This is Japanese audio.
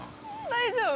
大丈夫？